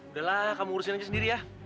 udah lah kamu urusin aja sendiri ya